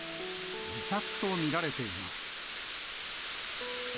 自殺と見られています。